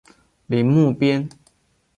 宁木边。